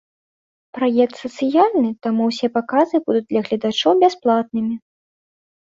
Праект сацыяльны, таму ўсе паказы будуць для гледачоў бясплатнымі.